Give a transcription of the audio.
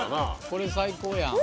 これ最高やん。